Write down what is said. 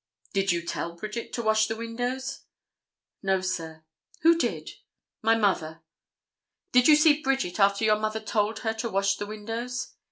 "Did you tell Bridget to wash the windows?" "No, sir." "Who did?" "My mother." "Did you see Bridget after your mother told her to wash the windows?"